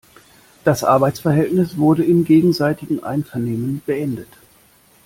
Das Arbeitsverhältnis wurde im gegenseitigen Einvernehmen beendet.